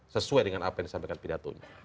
sesuai dengan apa yang disampaikan pidatonya